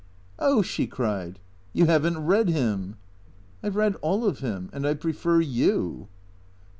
" Oh," she cried, " you have n't read him." " I 've read all of him. And I prefer you."